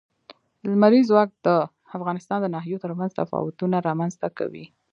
لمریز ځواک د افغانستان د ناحیو ترمنځ تفاوتونه رامنځ ته کوي.